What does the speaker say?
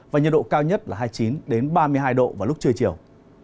và nhiệt độ cao nhất là hai mươi chín ba mươi hai độ vào lúc trưa chiều